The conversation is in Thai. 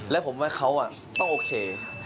และผมว่าเขาต้องโอเค